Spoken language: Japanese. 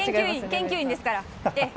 研究員ですから。